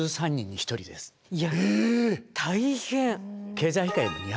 大変！